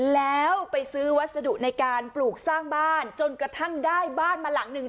แล้วไปซื้อวัสดุในการปลูกสร้างบ้านจนกระทั่งได้บ้านมาหลังหนึ่ง